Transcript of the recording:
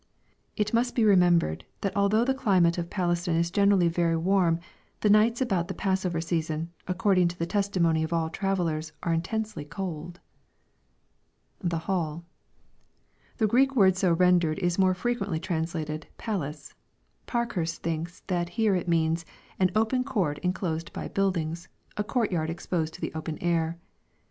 ] It must be remembered, that although the climate of Palestine is generally very warm, the nights about the Passover season, according to the testimony of all travellers, are intensely cold. [T%e hcUL] The Grreek word so rendered is more frequently translated "palace." Parkhurst thinks that here it means, "an open court inclosed by buildings, — a court yard exposed to the open air."